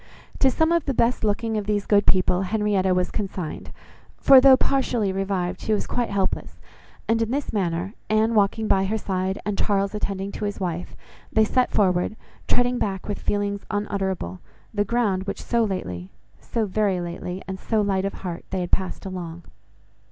To some of the best looking of these good people Henrietta was consigned, for, though partially revived, she was quite helpless; and in this manner, Anne walking by her side, and Charles attending to his wife, they set forward, treading back with feelings unutterable, the ground, which so lately, so very lately, and so light of heart, they had passed along.